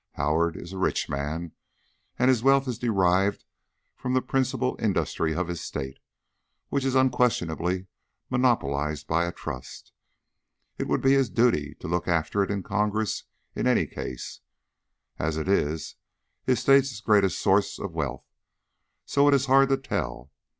Howard is a rich man, and his wealth is derived from the principal industry of his State, which is unquestionably monopolized by a Trust. It would be his duty to look after it in Congress in any case, as it is his State's great source of wealth; so it is hard to tell.